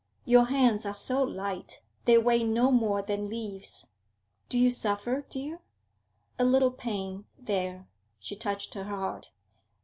Your hands are so light; they weigh no more than leaves. Do you suffer, dear?' 'A little pain there;' she touched her heart.